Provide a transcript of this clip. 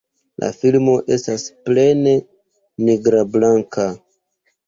La filmo estas plene nigrablanka.